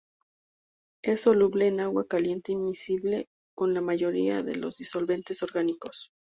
Es soluble en agua caliente y miscible con la mayoría de disolventes orgánicos.